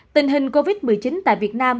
tình hình covid một mươi chín tại việt nam